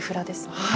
はい。